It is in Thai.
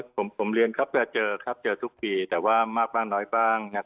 ผมเรียนครับและเจอทุกปีแต่ว่ามากบ้างน้อยบ้าง